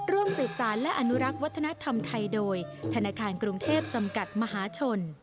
ร่วมสืบสารและอนุรักษ์วัฒนธรรมไทยโดยธนาคารกรุงเทพจำกัดมหาชน